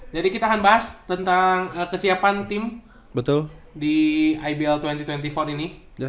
jadi kita akan bahas tentang kesiapan tim di ibl dua ribu dua puluh empat ini